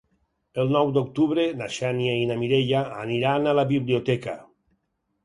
El nou d'octubre na Xènia i na Mireia aniran a la biblioteca.